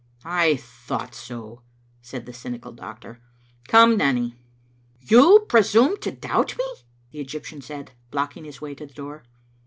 •*I thought so," said the cynical doctor. "Come, Nanny." "You presume to doubt me!" the Egyptian said, blocking his way to the door.